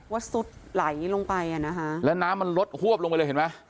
ซุดไหลลงไปอ่ะนะคะแล้วน้ำมันลดหวบลงไปเลยเห็นไหม